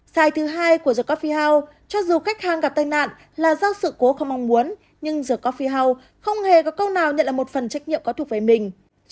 sai thứ hai của the coffee house cho dù khách hàng gặp tài nạn là do sự cố không mong muốn nhưng the coffee house không hề có câu nào nhận là một phần trách nhiệm có thuộc về mình